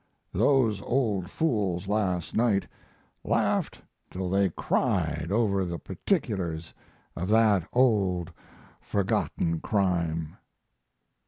Those old fools last night laughed till they cried over the particulars of that old forgotten crime.